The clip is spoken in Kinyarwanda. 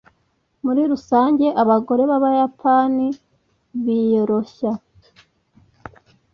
Muri rusange abagore bAbayapani biyoroshya